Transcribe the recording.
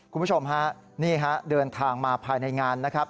คุณผู้ชมฮะนี่ฮะเดินทางมาภายในงานนะครับ